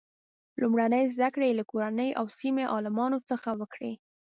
لومړنۍ زده کړې یې له کورنۍ او سیمې عالمانو څخه وکړې.